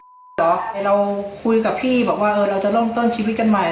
เราคุยกับพี่บอกว่าเออเราจะล่มต้นชีวิตกันใหม่